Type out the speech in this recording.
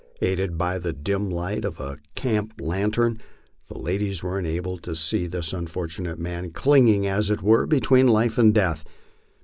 Aided by the dim light of a camp lantern, the ladies were enabled to see this unfortunate man clinging, as it were, between life and death.